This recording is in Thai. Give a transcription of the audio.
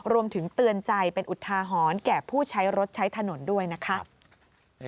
รวมถึงเตือนใจเป็นอุทาหรณ์แก่ผู้ใช้รถใช้ถนนด้วยนะคะ